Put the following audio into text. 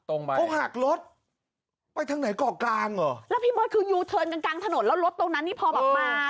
เขาหักรถไปทางไหนเกาะกลางเหรอแล้วพี่เบิร์ตคือยูเทิร์นกันกลางถนนแล้วรถตรงนั้นนี่พอแบบมา